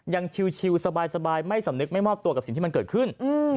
ชิลสบายไม่สำนึกไม่มอบตัวกับสิ่งที่มันเกิดขึ้น